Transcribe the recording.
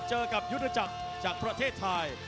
เจอกับยุทธจักรจากประเทศไทย